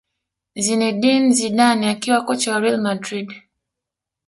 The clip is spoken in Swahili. zinedine zidane akiwa kocha wa real madrid